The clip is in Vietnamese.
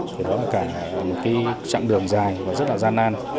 thì đó là một trạng đường dài và rất là gian nan